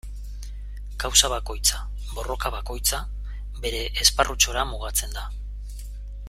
Kausa bakoitza, borroka bakoitza, bere esparrutxora mugatzen da.